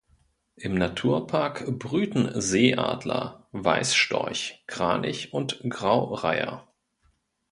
Im Naturpark brüten Seeadler, Weißstorch, Kranich und Graureiher.